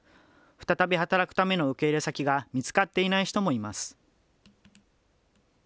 再び働くための受け入れ先が見つかっていない人もいます。